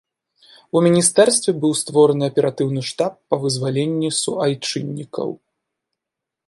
У міністэрстве быў створаны аператыўны штаб па вызваленні суайчыннікаў.